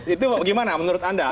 itu bagaimana menurut anda